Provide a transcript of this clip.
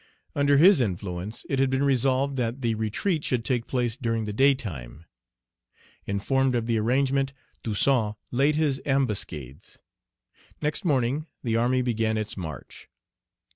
Under his influence it had been resolved that the retreat should take place during the daytime. Informed of the arrangement, Toussaint laid his ambuscades. Next morning, the army began its march.